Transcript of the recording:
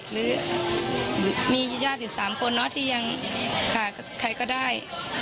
หรือมีญาติอยู่๓คนที่ยังขาดใครก็ได้